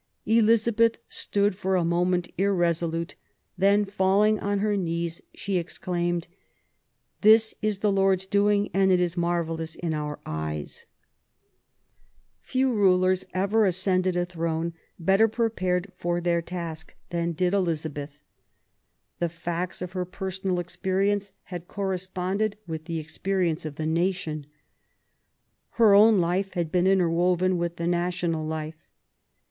Elizabeth stood for a moment irresolute. Then falling on her knees, she exclaimed : This is the Lord's doing, and it is marvellous in our eyes ". Few rulers ever ascended a throne better pre pared for her task than did Elizabeth. The facts of her personal experience had corresponded with the experience of the nation. Her own life had been interwoven with the national life.